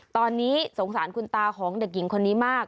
ตอนนี้สงสารคุณตาของเด็กหญิงคนนี้มาก